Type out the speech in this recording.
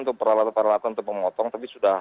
untuk peralatan peralatan untuk memotong tapi sudah